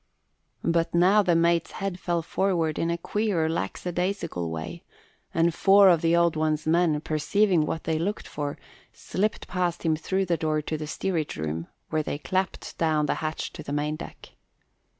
But now the mate's head fell forward in a queer, lackadaisical way and four of the Old One's men, perceiving what they looked for, slipped past him through the door to the steerage room, where they clapped down the hatch to the main deck.